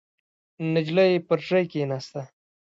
نجلۍ پر ژۍ کېناسته.